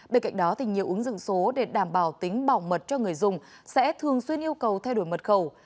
bên cạnh đó nhiều ứng dụng số để đảm bảo tính bảo mật cho người dùng sẽ thường xuyên yêu cầu thay đổi mật khẩu